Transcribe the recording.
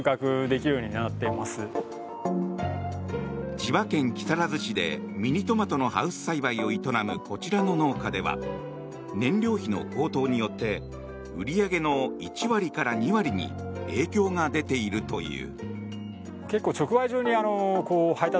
千葉県木更津市でミニトマトのハウス栽培を営むこちらの農家では燃料費の高騰によって売り上げの１割から２割に影響が出ているという。